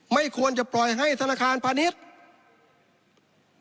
ไม่ควรจะปล่อยให้ธนาคารพาณิชย์